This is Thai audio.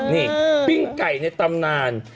นี่ปิ้งไก่ในตำนาน